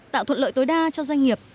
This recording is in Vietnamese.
tạo thuận lợi tối đa cho doanh nghiệp